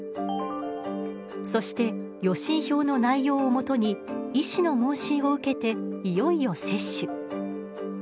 そして予診票の内容をもとに医師の問診を受けていよいよ接種。